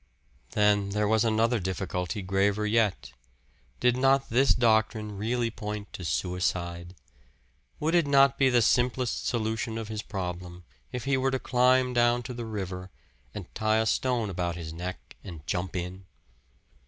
Then there was another difficulty graver yet. Did not this doctrine really point to suicide? Would it not be the simplest solution of his problem if he were to climb down to the river, and tie a stone about his neck, and jump in?